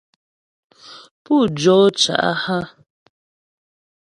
Pú jó cá' hə́ ?